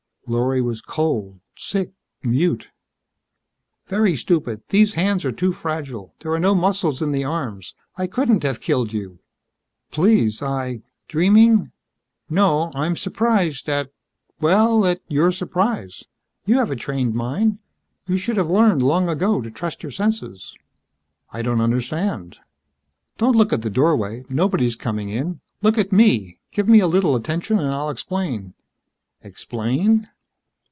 Lorry was cold, sick, mute. "Very stupid. These hands are too fragile. There are no muscles in the arms. I couldn't have killed you." "Please I ..." "Dreaming? No. I'm surprised at well, at your surprise. You have a trained mind. You should have learned, long ago, to trust your senses." "I don't understand." "Don't look at the doorway. Nobody's coming in. Look at me. Give me a little attention and I'll explain." "Explain?"